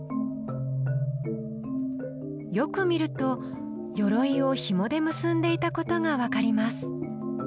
よく見ると甲をひもで結んでいたことが分かります。